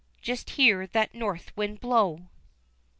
just hear that north wind blow.